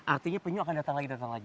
artinya penyu akan datang lagi datang lagi